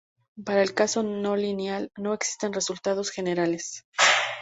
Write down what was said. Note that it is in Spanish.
Para el caso no lineal no existen resultados generales.